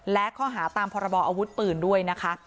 และข้อหาตามพรบออาวุธปืนด้วยนะคะ